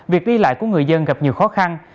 việc đi lại của người dân gặp nhiều khó khăn